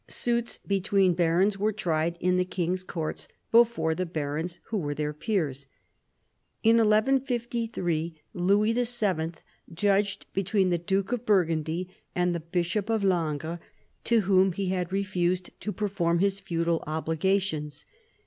Suits between barons were tried in the king's courts before the barons who were their peers. In 1153 Louis VII. judged between the duke of Burgundy and the bishop of Langres, to whom he had refused to perform his feudal obligations.